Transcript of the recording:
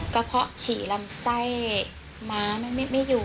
เพาะฉี่ลำไส้ม้าไม่อยู่